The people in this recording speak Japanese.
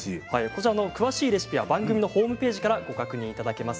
詳しいレシピは番組のホームページからご確認いただけます。